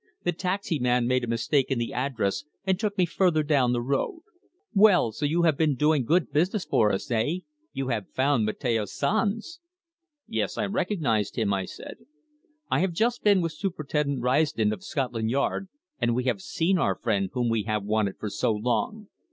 The taxi man made a mistake in the address and took me further down the road. Well, so you have been doing good business for us eh? You have found Mateo Sanz!" "Yes. I recognized him," I said. "I have just been with Superintendent Risden, of Scotland Yard, and we have seen our friend whom we have wanted for so long.